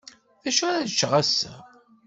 D acu ara ččeɣ ass-a?